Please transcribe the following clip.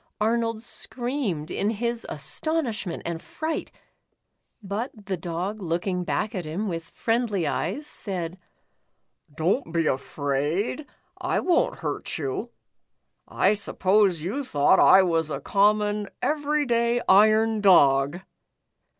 Arnold screamed in his astonishment and fright, but the Dog looking back at him with friendly eyes, said :" Don't be afraid, I won't hurt you. I suppose you thought I was a common, every day iron dog?"